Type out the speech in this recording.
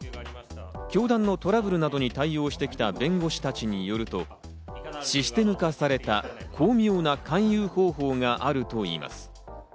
教団のトラブルなどに対応してきた弁護士たちによると、システム化された巧妙な勧誘方法があるといいます。